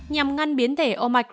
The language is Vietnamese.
nhằm ngăn biến thể omicron